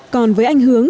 còn với anh hướng